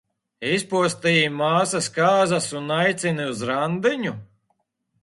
Izpostīji māsas kāzas un aicini uz randiņu?